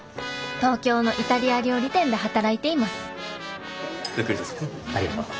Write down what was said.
東京のイタリア料理店で働いています